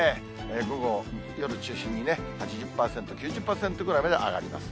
午後、夜を中心に、８０％、９０％ぐらいまで上がります。